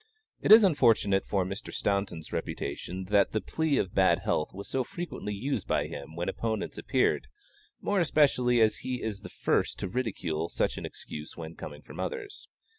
It is unfortunate for Mr. Staunton's reputation that the plea of bad health was so frequently used by him when opponents appeared, more especially as he is the first to ridicule such an excuse when coming from others.